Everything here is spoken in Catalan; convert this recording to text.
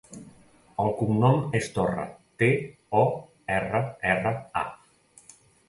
El cognom és Torra: te, o, erra, erra, a.